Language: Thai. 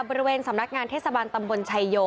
บริเวณสำนักงานเทศบาลตำบลชายโย